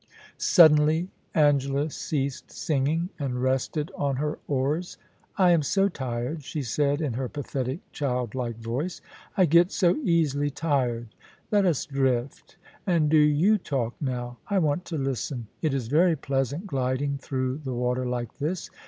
Suddenly Angela ceased singing, and rested on her oars. ' I am so tired,' she said in her pathetic, childlike voice. * I get so easily tired. Let us drift ; and do you talk now. I want to listen. It is very pleasant gliding through the water like this.